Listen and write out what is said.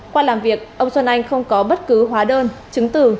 qua làm việc ông xuân anh không có bất cứ hóa đơn chứng từ